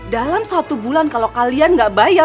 dalam satu bulan kalau kalian nggak bayar